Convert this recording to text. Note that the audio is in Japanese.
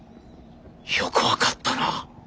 よく分かったな。